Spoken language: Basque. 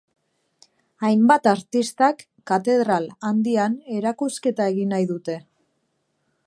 Hainbat artistak katedral handian erakusketa egin nahi dute.